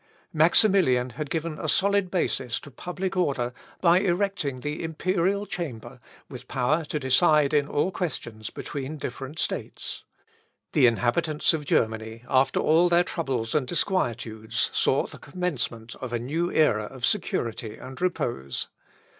Maximilian had given a solid basis to public order, by erecting the Imperial Chamber, with power to decide in all questions between different states. The inhabitants of Germany, after all their troubles and disquietudes, saw the commencement of a new era of security and repose.